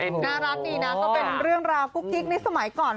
น่ารักดีนะก็เป็นเรื่องราวกุ๊กกิ๊กในสมัยก่อน